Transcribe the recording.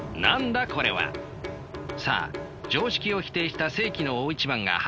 さあ常識を否定した世紀の大一番が始まるか。